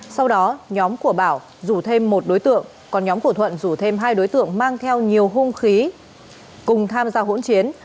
sau đó nhóm của bảo rủ thêm một đối tượng còn nhóm của thuận rủ thêm hai đối tượng mang theo nhiều hung khí cùng tham gia hỗn chiến